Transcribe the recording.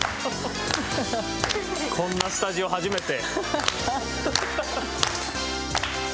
こんなスタジオ初めて。